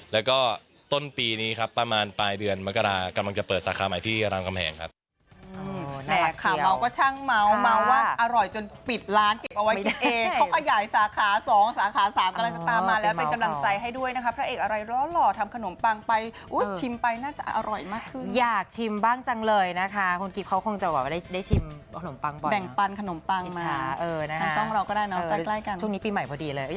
แล้วก็ต้นปีนี้ครับประมาณปลายเดือนมกรากำลังจะเปิดสาขาใหม่ที่รามกำแหงครับ